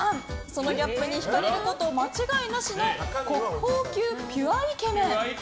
そのギャップに引かれること間違いなしの国宝級ピュアイケメン。